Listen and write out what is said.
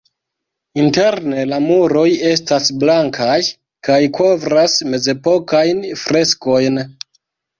Interne la muroj estas blankaj kaj kovras mezepokajn freskojn.